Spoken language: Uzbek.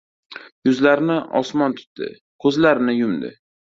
Yuzlarini osmon tutdi. Ko‘zlarini yumdi.